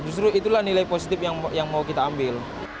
justru itulah nilai positif yang mau kita ambil